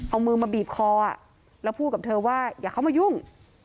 เอามือมาบีบคอแล้วพูดกับเธอว่าอย่าเข้ามายุ่ง